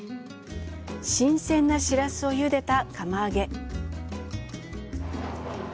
新鮮なしらすをゆでた釜揚げ。